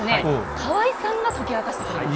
河合さんが解き明かしてくれます。